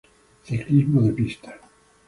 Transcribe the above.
Ciclismo de pista.